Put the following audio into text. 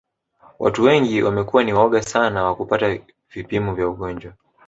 Watu wengi wamekuwa ni waoga sana wa kupata vipimo vya ugonjwa